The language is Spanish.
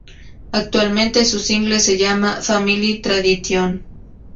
Actualmente su single se llama "Family Tradition".